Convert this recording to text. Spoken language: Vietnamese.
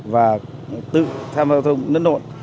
và tự tham gia giao thông